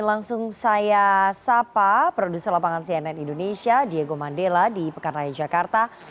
langsung saya sapa produser lapangan cnn indonesia diego mandela di pekan raya jakarta